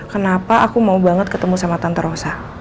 kenapa aku mau banget ketemu sama tante rosa